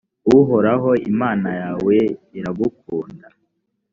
uhoraho imana yawe iragukunda .